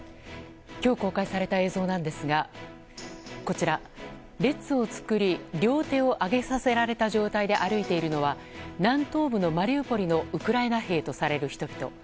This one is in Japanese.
今日公開された映像なんですがこちら、列を作り両手を上げさせられた状態で歩いているのは南東部のマリウポリのウクライナ兵とされる人々。